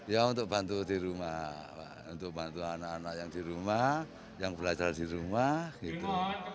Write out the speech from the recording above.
ya untuk bantu di rumah untuk bantu anak anak yang di rumah yang belajar di rumah gitu